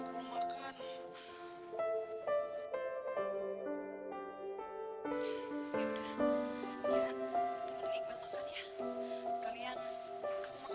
sampai jumpa di video selanjutnya